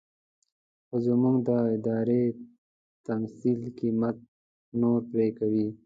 خو زموږ د ارادې تمثيل قيمت نور پرې کوي.